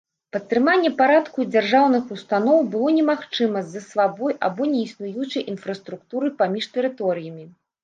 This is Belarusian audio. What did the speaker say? Падтрыманне парадку і дзяржаўных устаноў было немагчыма з-за слабой або неіснуючай інфраструктуры паміж тэрыторыямі.